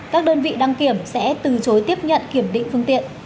các đơn vị đăng kiểm sẽ từ chối tiếp nhận kiểm định phương tiện